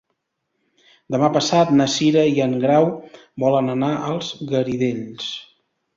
Demà passat na Cira i en Grau volen anar als Garidells.